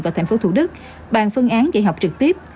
và thành phố thủ đức bàn phương án dạy học trực tiếp